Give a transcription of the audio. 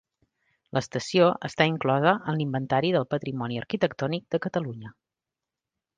L'estació està inclosa en l'Inventari del Patrimoni Arquitectònic de Catalunya.